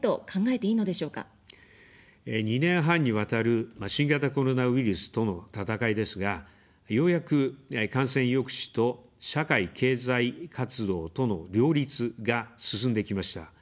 ２年半にわたる新型コロナウイルスとの闘いですが、ようやく感染抑止と、社会・経済活動との両立が進んできました。